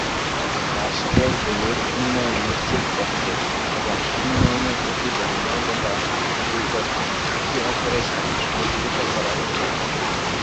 রাষ্ট্রগুলোর উন্নয়ন নিশ্চিত করতে এবং উন্নয়নের প্রতিবন্ধকতা দূর করতে একে অপরের সাথে সহযোগিতা করা উচিত।